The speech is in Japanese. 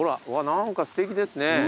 何かすてきですね。